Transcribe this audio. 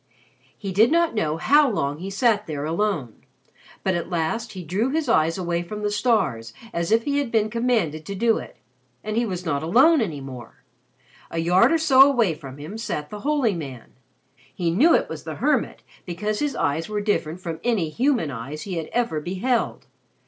He did not know how long he sat there alone. But at last he drew his eyes from the stars, as if he had been commanded to do it. And he was not alone any more. A yard or so away from him sat the holy man. He knew it was the hermit because his eyes were different from any human eyes he had ever beheld.